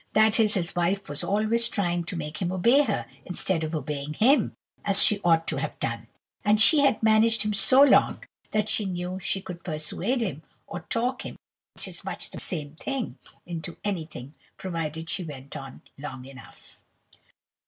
That is, his wife was always trying to make him obey her, instead of obeying him, as she ought to have done; and she had managed him so long, that she knew she could persuade him, or talk him (which is much the same thing) into anything, provided she went on long enough.